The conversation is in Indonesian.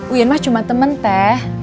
uyan mah cuma temen teh